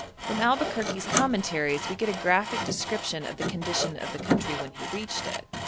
From Albuquerque's 'Commentaries' we get a graphic description of the condition of the country when he reached it.